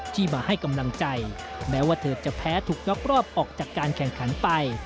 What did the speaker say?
ที่มาให้กำลังใจแม้ว่าเธอจะแพ้ถูกยกรอบออกจากการแข่งขันไป